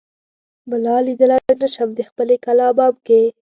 ملا ليدای نه شم دخپلې کلا بام کې